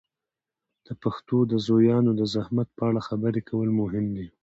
د پښتو د زویانو د زحمت په اړه خبرې کول مهم دي.